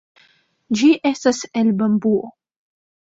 Ĝi estas el bambuo.